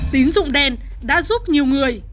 tính dụng đen đã giúp nhiều người